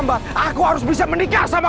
saya tidak mau sebelah jalan apa yang ditawar